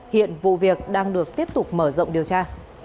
hiện vụ việc đang được tiếp tục mở rộng điều tra